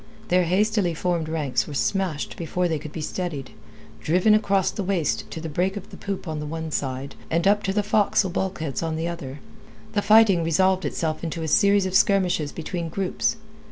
Their hastily formed ranks were smashed before they could be steadied; driven across the waist to the break of the poop on the one side, and up to the forecastle bulkheads on the other, the fighting resolved itself into a series of skirmishes between groups.